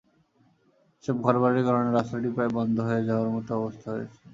এসব ঘরবাড়ির কারণে রাস্তাটি প্রায় বন্ধ হয়ে যাওয়ার মতো অবস্থা হয়েছে।